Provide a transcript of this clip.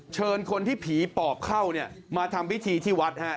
เชิญคนที่ผีปอบเข้ามาทำวิธีที่วัด